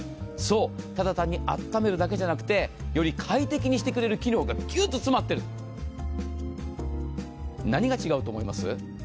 ただ単にあっためるだけじゃなくて、より快適にする機能がギュッと詰まってる、何が違うと思います？